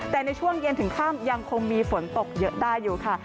แต่ในช่วงเย็นถึงค่ำยังคงมีฝนตกเยอะได้อยู่ค่ะ